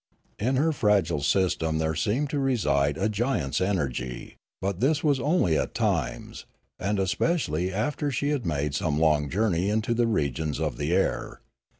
In her fragile system there seemed to reside a giant's energy; but this was only at times, and especially after she had made some long journey into the regions of the air.